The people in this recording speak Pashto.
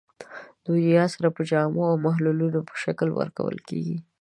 د یوریا سره په جامدو او محلول په شکل ورکول کیږي.